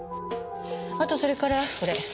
あとそれからこれ。